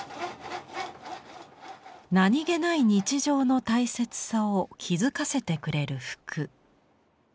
何気ない日常の大切さを気付かせてくれる服。